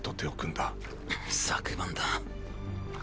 昨晩だ。